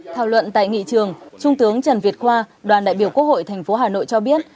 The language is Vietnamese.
thảo luận tại nghị trường trung tướng trần việt khoa đoàn đại biểu quốc hội thành phố hà nội cho biết